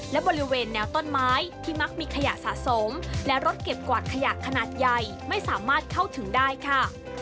และบริเวณแนวต้นไม้ที่มักมีขยะสะสมและรถเก็บกวาดขยะขนาดใหญ่ไม่สามารถเข้าถึงได้ค่ะ